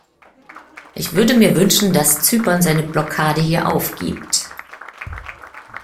Ich würde mir wünschen, dass Zypern seine Blockade hier aufgibt.